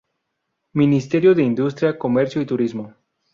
Ministerio de Industria, Comercio y Turismo.